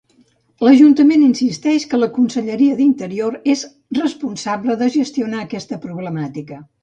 L'Ajuntament insisteix que la Conselleria d'Interior és responsable de gestionar aquesta problemàtica.